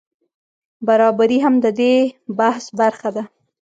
برابري هم د دې بحث برخه ده.